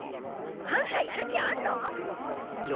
あんたやる気あんの！？よ